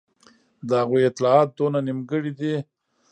د هغوی اطلاعات دونه نیمګړي دي.